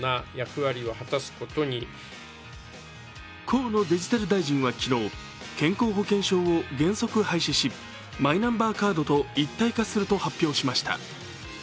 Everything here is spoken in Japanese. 河野デジタル大臣は昨日健康保険証を原則廃止しマイナンバーカードと一体化すると発表しました。